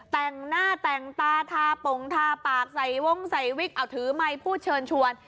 แต่งหน้าแต่งตาทาปงทาปากใส่วงใส่วิกเอาถือไมค์พูดเชิญชวน